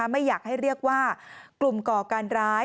ไม่อยากให้เรียกว่ากลุ่มก่อการร้าย